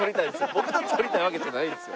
僕と撮りたいわけじゃないんですよ。